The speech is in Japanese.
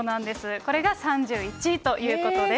これが３１位ということです。